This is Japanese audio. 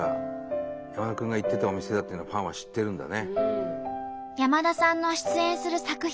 山田君が行ってたお店だってのはファンは知ってるんだね。